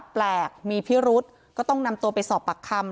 แปลกมีพิรุธก็ต้องนำตัวไปสอบปากคำ